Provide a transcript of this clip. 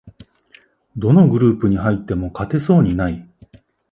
どのグループに入っても勝てそうにない